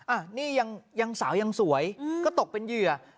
อ่ะนี่ยังสาวยังสวยก็ตกเป็นเหยื่อ